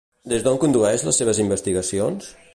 Des d'on condueix les seves investigacions?